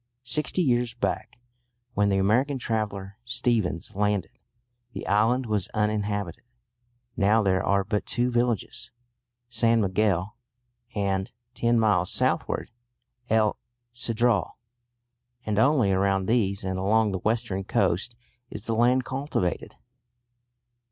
Sixty years back, when the American traveller Stephens landed, the island was uninhabited. Now there are but two villages, San Miguel and, ten miles southward, El Cedral; and only around these and along the western coast is the land cultivated.